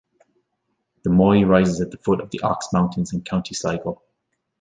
The Moy rises at the foot of the Ox Mountains in County Sligo.